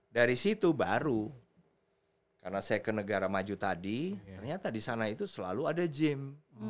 dari situ baru karena saya ke negara maju tadi ternyata di sana itu selalu ada gym